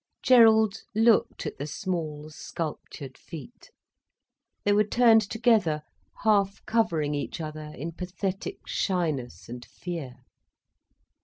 Gerald looked at the small, sculptured feet. They were turned together, half covering each other in pathetic shyness and fear.